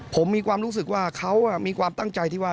ผมมีความรู้สึกว่าเขามีความตั้งใจที่ว่า